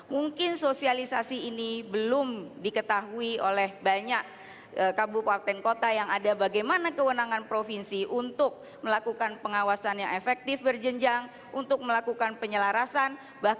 mungkin sosialisasi ini belum diketahui oleh banyak kabupaten kota yang ada bagaimana kewenangan provinsi untuk melakukan pengawasan yang efektif berjenjang untuk melakukan penyelarasan